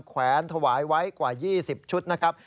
แขวนถวายไว้กว่า๒๐ชุดนะครับ